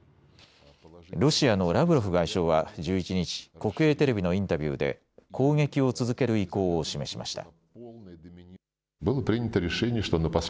ロシアのラブロフ外相は１１日、国営テレビのインタビューで攻撃を続ける意向を示しました。